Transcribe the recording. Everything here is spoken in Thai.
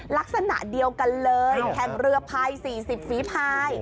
ลักษณะเดียวกันเลยแข่งเรือพาย๔๐ฝีพาย